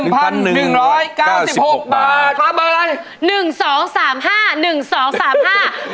๑๑๙๖บาทคำเป็นอะไร